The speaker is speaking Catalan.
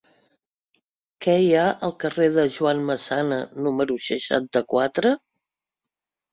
Què hi ha al carrer de Joan Massana número seixanta-quatre?